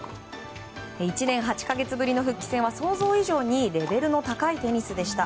１年８か月ぶりの復帰戦は想像以上にレベルの高いテニスでした。